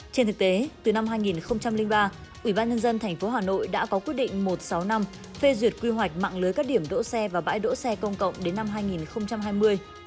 trên thực tế từ năm hai nghìn ba ủy ban nhân dân tp hà nội đã có quyết định một sáu năm phê duyệt quy hoạch mạng lưới các điểm đỗ xe và bãi đỗ xe công cộng đến năm hai nghìn hai mươi